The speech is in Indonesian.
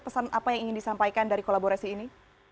pesan apa yang ingin disampaikan dari kolaborasi ini